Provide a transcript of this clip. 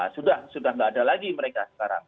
sudah sudah tidak ada lagi mereka sekarang